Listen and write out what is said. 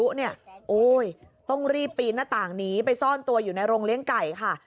โอ้โหต้องรีบปีนหน้าต่างหนีไปซ่อนตัวอยู่ในโรงเลี้ยงไก่ค่ะ